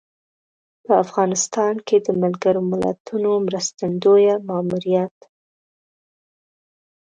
په افغانستان کې د ملګر ملتونو مرستندویه ماموریت